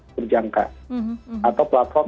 berjangka atau platform